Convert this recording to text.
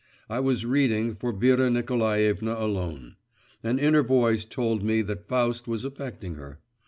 … I was reading for Vera Nikolaevna alone; an inner voice told me that Faust was affecting her.